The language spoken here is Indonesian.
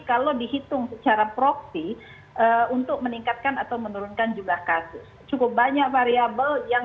kalau dihitung secara proksi untuk meningkatkan atau menurunkan jumlah kasus cukup banyak variable yang